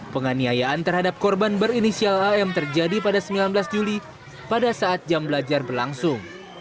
penganiayaan terhadap korban berinisial am terjadi pada sembilan belas juli pada saat jam belajar berlangsung